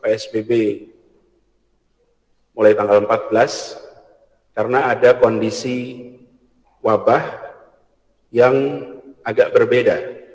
saya ingin mengucapkan terima kasih kepada psbb mulai tanggal empat belas karena ada kondisi wabah yang agak berbeda